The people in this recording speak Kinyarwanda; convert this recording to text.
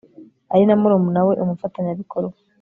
ari na murumuna we umufatanyabikorwa